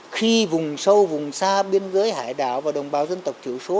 khi vùng sâu vùng xa biên giới hải đảo và đồng bào dân tộc thiểu số